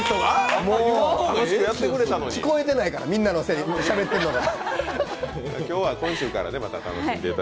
聞こえてないから、みんなのしゃべってるのが。